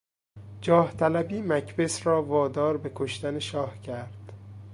جاهطلبی مکبث را وادار به کشتن شاه کرد.